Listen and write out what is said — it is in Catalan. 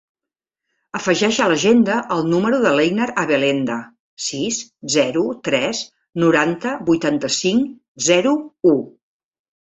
Afegeix a l'agenda el número de l'Einar Abelenda: sis, zero, tres, noranta, vuitanta-cinc, zero, u.